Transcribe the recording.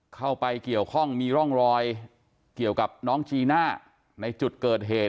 เข้าไปเกี่ยวข้องมีร่องรอยเกี่ยวกับน้องจีน่าในจุดเกิดเหตุ